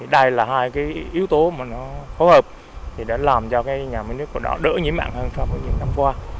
đây là hai yếu tố phối hợp đã làm cho nhà nước đỏ đỡ nhiễm mạng hơn so với những năm qua